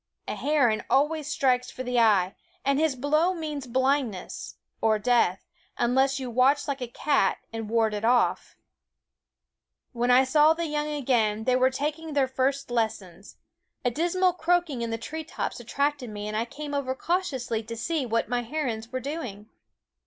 A heron always strikes for the eye, and his blow means blindness, or death, unless you watch like a cat and ward it off. When I saw the young again they were taking their first lessons. A dismal croaking SCHOOL OF 194 Quoskh Keen Eyed in the tree tops attracted me and I came over cautiously to see what my herons were doing.